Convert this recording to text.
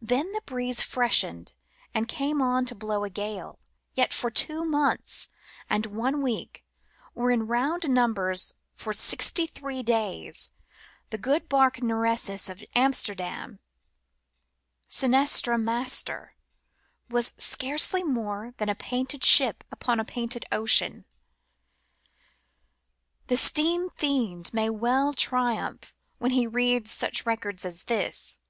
Then the breeze freshened and came on to blow a gale ; yet for two months and one week, or in round numbers for sixty three days, the good barque Nereus of Amsterdam — Seinstra, master — was scarcely more than a painted ship upon a painted ocean. The Steam Fiend may well triumph when he reads such records as this.